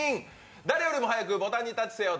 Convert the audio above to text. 誰よりも早くボタンにタッチせよ！